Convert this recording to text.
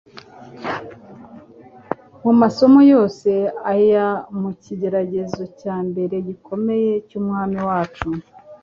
Mu masomo yose aya mu kigeragezo cya mbere gikomeye cy'Umwami wacu,